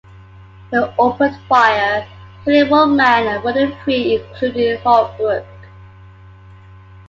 They opened fire, killing one man and wounding three, including Holbrook.